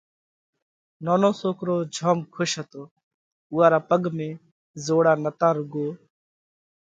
نونو سوڪرو جوم کُش هتو، اُوئا را پڳ ۾ زوڙا نتا روڳو